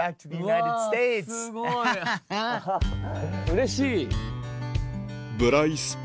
うれしい！